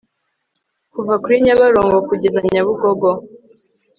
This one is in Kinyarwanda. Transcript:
Kuva kuri nyabarongo kugeza nyabugogo